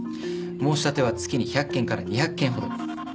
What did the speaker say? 申し立ては月に１００件から２００件ほど。